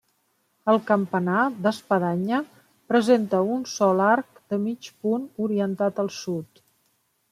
El campanar, d'espadanya, presenta un sol arc de mig punt orientat al sud.